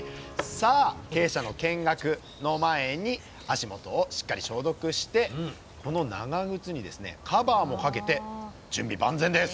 さあ鶏舎の見学の前に足元をしっかり消毒してこの長靴にカバーも掛けて準備万全です！